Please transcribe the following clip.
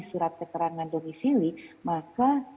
surat keterangan domisili maka